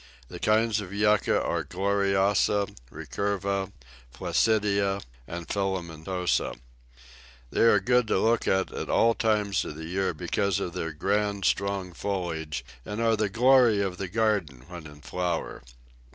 The kinds of Yucca are gloriosa, recurva, flaccida, and filamentosa. They are good to look at at all times of the year because of their grand strong foliage, and are the glory of the garden when in flower.